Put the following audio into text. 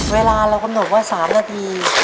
เวลาเรากำหนดว่า๓นาที